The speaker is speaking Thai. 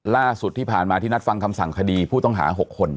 ล่าสุดที่ผ่านมาที่นัดฟังคำสั่งคดีผู้ต้องหา๖คน